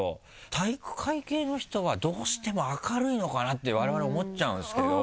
体育会系の人はどうしても明るいのかなってわれわれ思っちゃうんですけど。